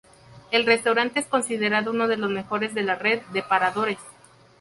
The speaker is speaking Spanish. Su restaurante es considerado uno de los mejores de la red de Paradores.